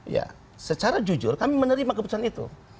ya secara jujur kami menerima keputusan itu